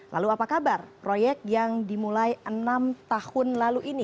lalu apa kabar proyek yang dimulai enam tahun lalu ini